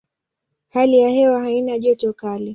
Hali ya hewa haina joto kali.